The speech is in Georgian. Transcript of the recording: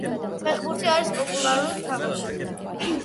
ფეხბურთი არის პოპულარული თამაში